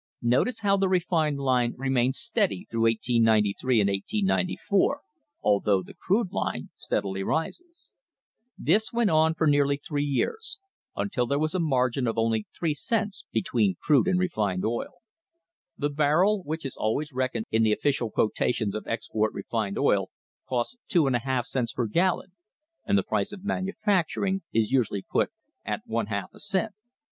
Notice how the refined line remains steady throughout 1893 and 1894, although the crude line steadily rises. This THE HISTORY OF THE STANDARD OIL COMPANY went on for nearly three years, until there was a margin of only three cents between crude and refined oil. The barrel, which is always reckoned in the official quotations of export refined oil, costs two and a half cents per gallon, and the price of manufacturing is usually put at one half a cent.